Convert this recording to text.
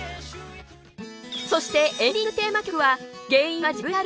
そしてエンディングテーマ曲は原因は自分にある。